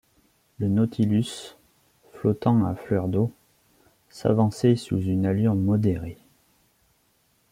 Le Nautilus, flottant à fleur d’eau, s’avançait sous une allure modérée.